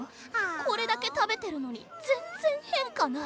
これだけ食べてるのに全然変化ない。